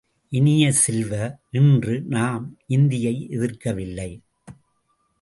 இனிய செல்வ, இன்று நாம் இந்தியை எதிர்க்கவில்லை.